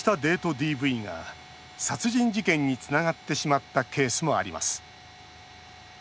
ＤＶが殺人事件につながってしまったケースもあります。